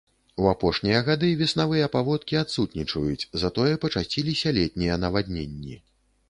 У апошнія гады веснавыя паводкі адсутнічаюць, затое пачасціліся летнія навадненні.